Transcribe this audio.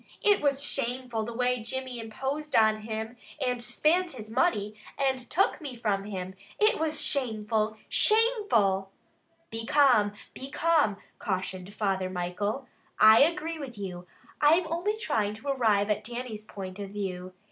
It was shameful the way Jimmy imposed on him, and spint his money, and took me from him. It was shameful! Shameful!" "Be calm! Be calm!" cautioned Father Michael. "I agree with you. I am only trying to arrive at Dannie's point of view.